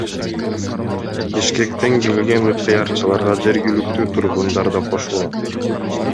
Бишкектен келген ыктыярчыларга жергиликтүү тургундар да кошулган.